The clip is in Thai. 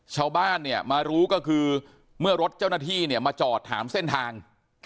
ชาวบ้านเนี่ยมารู้ก็คือเมื่อรถเจ้าหน้าที่เนี่ยมาจอดถามเส้นทาง